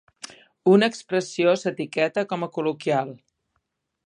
Una expressió s'etiqueta com a col·loquial.